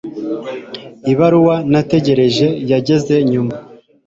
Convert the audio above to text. Ibaruwa nategereje yageze nyuma.